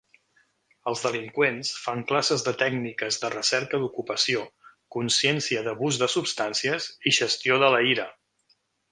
Els delinqüents fan classes de tècniques de recerca d'ocupació, consciència d'abús de substàncies i gestió de la ira.